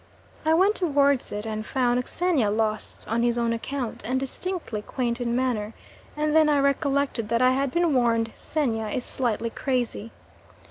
I went towards it and found Xenia lost on his own account, and distinctly quaint in manner, and then I recollected that I had been warned Xenia is slightly crazy.